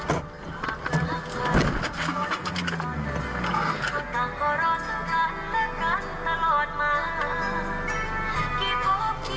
อะไรอ่ะ